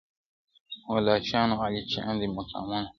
والاشان او عالیشان دي مقامونه-